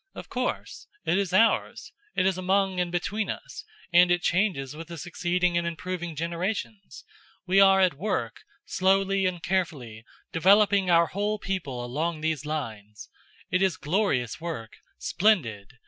"Of course. It is ours; it is among and between us, and it changes with the succeeding and improving generations. We are at work, slowly and carefully, developing our whole people along these lines. It is glorious work splendid!